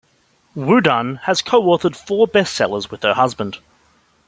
WuDunn has co-authored four best-sellers with her husband.